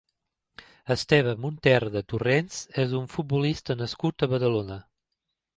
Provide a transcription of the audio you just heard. Esteve Monterde Torrents és un futbolista nascut a Badalona.